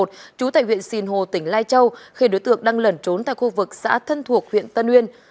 trú tại huyện sìn hồ tỉnh lai châu khi đối tượng đang lẩn trốn tại khu vực xã thân thuộc huyện tân uyên